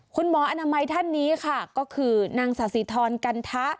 คุณหมออนามัยท่านนี้ค่ะก็คือนางสาธิธรกันทะ